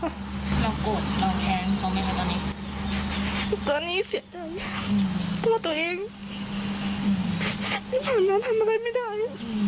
ตัวนี้เสียใจตัวตัวเองที่ผ่านแล้วทำอะไรไม่ได้